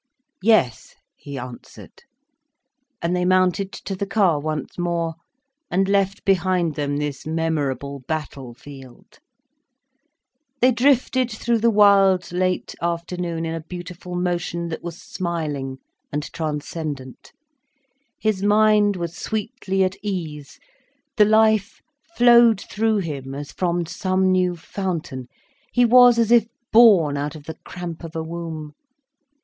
"Yes," he answered. And they mounted to the car once more, and left behind them this memorable battle field. They drifted through the wild, late afternoon, in a beautiful motion that was smiling and transcendent. His mind was sweetly at ease, the life flowed through him as from some new fountain, he was as if born out of the cramp of a womb.